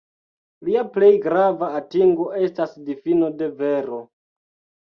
Lia plej grava atingo estas difino de vero.